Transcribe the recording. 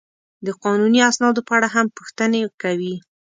د قانوني اسنادو په اړه هم پوښتنې کوي.